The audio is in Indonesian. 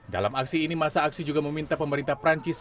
dalam aksi ini masa aksi juga meminta pemerintah perancis